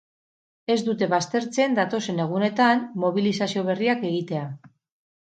Ez dute baztertzen datozen egunetan mobilizazio berriak egitea.